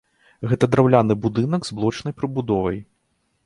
Гэта драўляны будынак з блочнай прыбудовай.